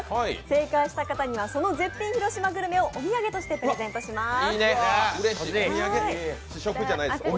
正解した方には、その絶品広島グルメをお土産としてプレゼントします。